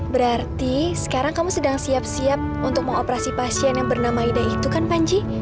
berarti sekarang kamu sedang siap siap untuk mengoperasi pasien yang bernama ida itu kan panji